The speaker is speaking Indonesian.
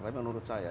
tapi menurut saya